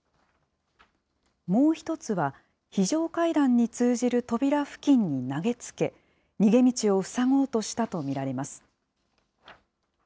もう１つは非常階段に通じる扉付近に投げつけ、逃げ道を塞ごうとしたと見られます。